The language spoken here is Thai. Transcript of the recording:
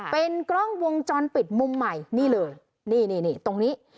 เป็นกล้องวงจรปิดมุมใหม่นี่เลยนี่นี่ตรงนี้